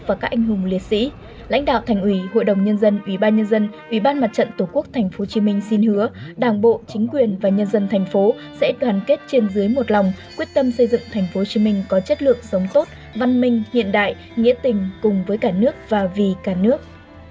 và các anh hùng liệt sĩ lãnh đạo thành ủy hội đồng nhân dân ủy ban nhân dân ủy ban mặt trận tổ quốc tp hcm xin hứa đảng bộ chính quyền và nhân dân thành phố sẽ đoàn kết trên dưới một lòng quyết tâm xây dựng tp hcm có chất lượng sống tốt văn minh hiện đại nghĩa tình cùng với cả nước và vì cả nước